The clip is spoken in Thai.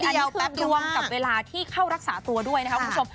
อันนี้รวมกับเวลาที่เข้ารักษาตัวด้วยนะครับคุณผู้ชม